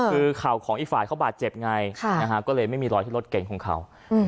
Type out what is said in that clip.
คือเข่าของอีกฝ่ายเขาบาดเจ็บไงก็เลยไม่มีรอยที่รถเก่งของเขา